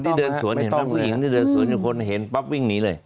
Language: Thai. คนที่เดินสวนเห็นประหร่างผู้หญิงเป็นคนที่เห็นป๊อปวิ่งหนีเลย